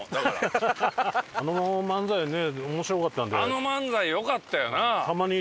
あの漫才よかったよな。